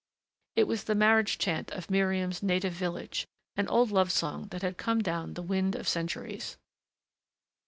It was the marriage chant of Miriam's native village, an old love song that had come down the wind of centuries.